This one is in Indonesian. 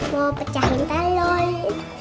mau pecahkan telur